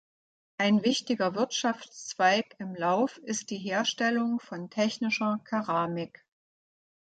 Ein wichtiger Wirtschaftszweig in Lauf ist die Herstellung von technischer Keramik.